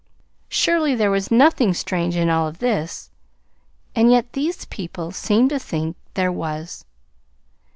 Surely there was nothing strange in all this, and yet these people seemed to think there was!